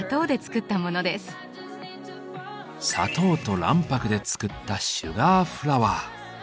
砂糖と卵白で作った「シュガーフラワー」。